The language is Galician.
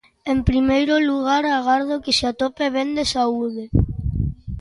"En primeiro lugar, agardo que se atope ben de saúde."